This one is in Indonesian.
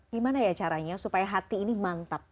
gimana ya caranya supaya hati ini mantap